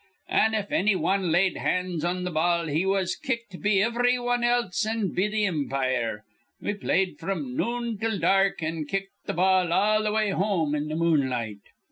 An', if anny wan laid hands on th' ball, he was kicked be ivry wan else an' be th' impire. We played fr'm noon till dark, an' kicked th' ball all th' way home in the moonlight.